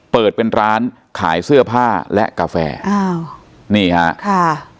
เปิดเป็นร้านขายเสื้อผ้าและกาแฟอ้าวนี่ฮะค่ะ